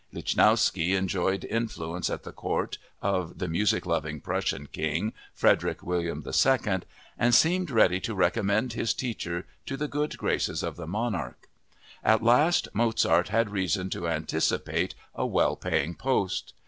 Lichnowsky enjoyed influence at the court of the music loving Prussian king, Frederick William II, and seemed ready to recommend his teacher to the good graces of the monarch. At last Mozart had reason to anticipate a well paying post!